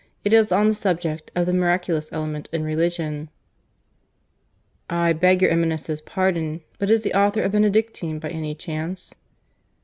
It is on the subject of the miraculous element in religion." "I beg your Eminence's pardon, but is the author a Benedictine by any chance?"